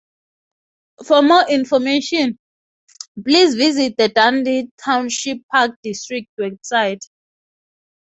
For more information, please visit the Dundee Township Park District website.